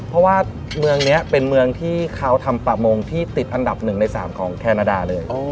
เพราะว่าเมืองนี้เป็นเมืองที่เขาทำประมงที่ติดอันดับ๑ใน๓ของแคนาดาเลย